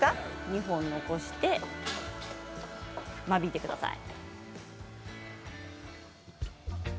２本残して間引いてください。